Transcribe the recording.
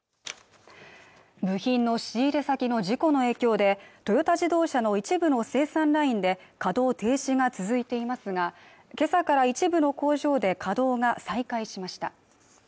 部品の仕入れ先の事故の影響でトヨタ自動車の一部の生産ラインで稼働停止が続いていますがけさから一部の工場で稼働が再開しました